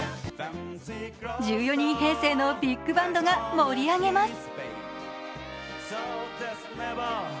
１４人編成のビッグバンドが盛り上げます。